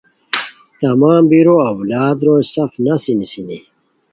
تمام بیرو اُولادو روئے سف نسی نیسانی